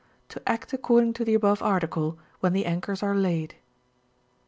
To act according to uie above article when the anchors are laid.